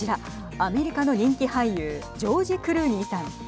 アメリカの人気俳優ジョージ・クルーニーさん。